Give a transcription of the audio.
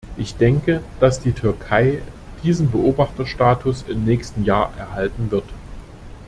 Ich denke, dass die Türkei diesen Beobachterstatus im nächsten Jahr erhalten wird.